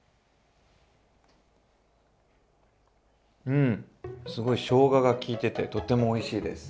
うんすごいしょうがが効いててとてもおいしいです。